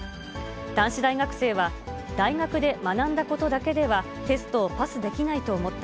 男子大学生は、大学で学んだことだけではテストをパスできないと思った。